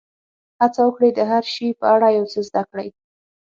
هڅه وکړئ د هر شي په اړه یو څه زده کړئ.